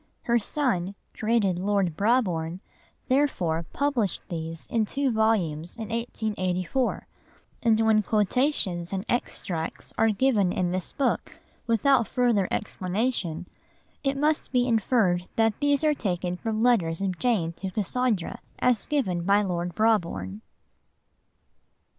Her son, created Lord Brabourne, therefore published these in two volumes in 1884, and when quotations and extracts are given in this book without further explanation, it must be inferred that these are taken from letters of Jane to Cassandra, as given by Lord Brabourne.